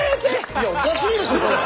いやおかしいでしょそれ。